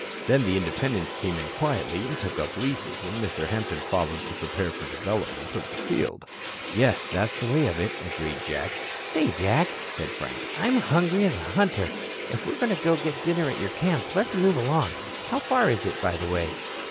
Then the Independents came in quietly and took up leases, and Mr. Hampton followed to prepare for development of the field." "Yes, that's the way of it," agreed Jack. "Say, Jack," said Frank, "I'm hungry as a hunter. If we are going to get dinner at your camp, let's move along. How far is it, by the way?"